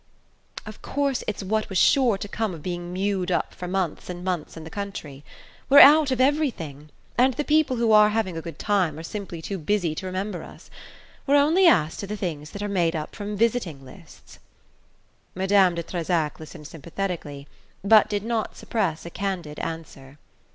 "Of course it's what was sure to come of being mewed up for months and months in the country. We're out of everything, and the people who are having a good time are simply too busy to remember us. We're only asked to the things that are made up from visiting lists." Madame de Trezac listened sympathetically, but did not suppress a candid answer.